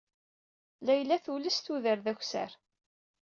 Layla tules tuder d akessar.